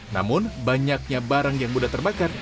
namun banyaknya barang yang mudah terbakar